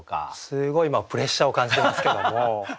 すごい今プレッシャーを感じてますけども。